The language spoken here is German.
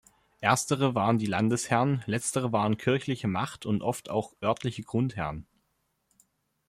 Erstere waren die Landesherren, letztere waren kirchliche Macht und oft auch örtliche Grundherren.